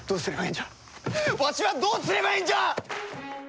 んじゃわしはどうすればええんじゃ！